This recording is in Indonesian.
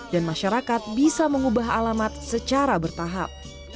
dan masyarakat bisa mengubah alamat secara bertahap